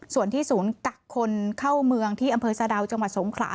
ส่วนที่ศูนย์กักคนเข้าเมืองที่อำเภอสะดาวจังหวัดสงขลา